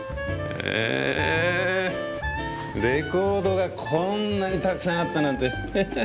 えレコードがこんなにたくさんあったなんて。